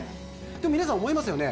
でも皆さん思いますよね